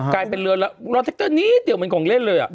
กลายเป็นเรือรถแท็กเตอร์นี้เตี่ยวเหมือนกล่องเล่นเลยอ่ะ